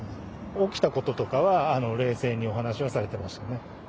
起きたこととかは、冷静にお話をされてましたね。